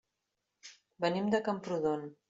Venim de Camprodon.